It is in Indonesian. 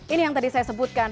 ini yang tadi saya sebutkan